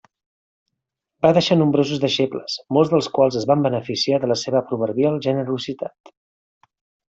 Va deixar nombrosos deixebles, molts dels quals es van beneficiar de la seva proverbial generositat.